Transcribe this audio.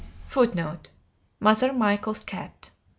[Footnote: "Mother Michel's Cat."